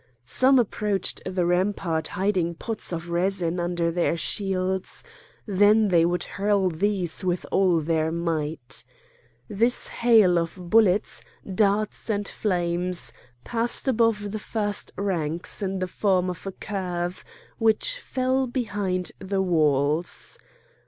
Some approached the rampart hiding pots of resin under their shields; then they would hurl these with all their might. This hail of bullets, darts, and flames passed above the first ranks in the form of a curve which fell behind the walls.